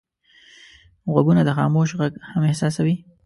غوږونه د خاموش غږ هم احساسوي